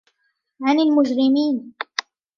عَنِ الْمُجْرِمِينَ